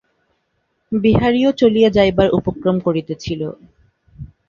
বিহারীও চলিয়া যাইবার উপক্রম করিতেছিল।